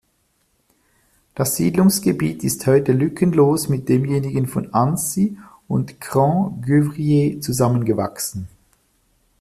Das Siedlungsgebiet ist heute lückenlos mit demjenigen von Annecy und Cran-Gevrier zusammengewachsen.